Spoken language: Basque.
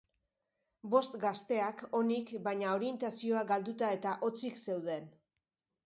Bost gazteak onik baina orientazioa galduta eta hotzik zeuden.